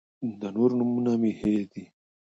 د نورو نومونه مې هېر دي.